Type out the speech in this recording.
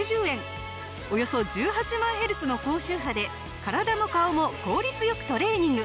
およそ１８万ヘルツの高周波で体も顔も効率良くトレーニング。